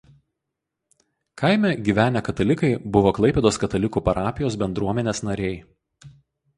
Kaime gyvenę katalikai buvo Klaipėdos katalikų parapijos bendruomenės nariai.